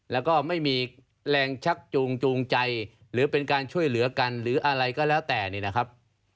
แล้วก็ไม่มีแรงชักจูงจูงใจหรือเป็นการช่วยเหลือกันหรืออะไรก็แล้วแต่นี่นะครับ